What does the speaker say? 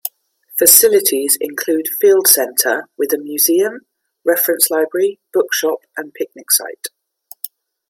Facilities include field centre with a museum, reference library, bookshop and picnic site.